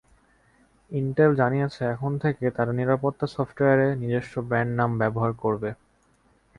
Intel জানিয়েছে, এখন থেকে তারা নিরাপত্তা সফটওয়্যারে নিজস্ব ব্র্যান্ড নাম ব্যবহার করবে।